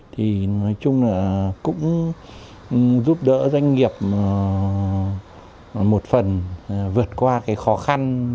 thì nói chung là cũng giúp đỡ doanh nghiệp một phần vượt qua cái khó khăn